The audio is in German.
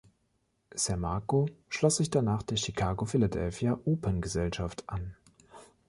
Sammarco schloss sich danach der Chicago-Philadelphia Operngesellschaft an.